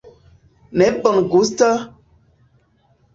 Ne bongusta...